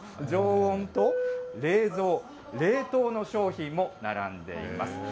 常温と冷蔵、冷凍の商品も並んでいます。